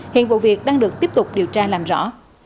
hiện vụ việc đang được tiếp tục điều tra làm rõ